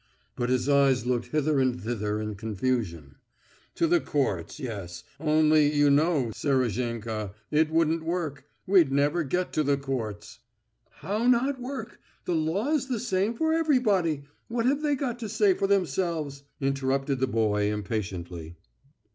But his eyes looked hither and thither in confusion. "To the courts ... yes ... only you know, Serozhenka ... it wouldn't work ... we'd never get to the courts...." "How not work? The law is the same for everybody. What have they got to say for themselves?" interrupted the boy impatiently.